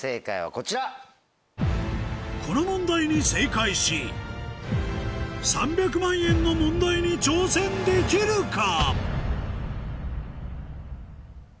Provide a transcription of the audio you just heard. この問題に正解し３００万円の問題に挑戦できるか？